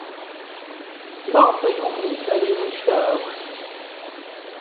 Maɣef ay ukḍen Paris anect-a akk?